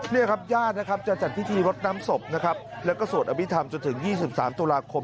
นี่ครับญาติจะจัดพิธีรดน้ำศพและก็สวดอวิธรรมจนถึง๒๓ตุลาคม